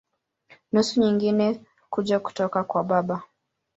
Nusu nyingine kuja kutoka kwa baba.